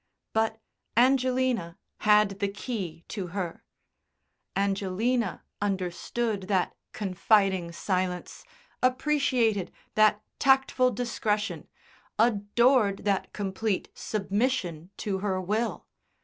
But Angelina had the key to her. Angelina understood that confiding silence, appreciated that tactful discretion, adored that complete submission to her will.